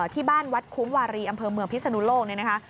ที่บ้านวัดคุ้มวารีอำเภอเมืองพิศนุโลกเนี่ยนะคะ